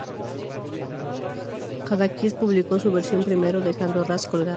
Jadakiss publicó su versión primero, dejando a Ras colgado.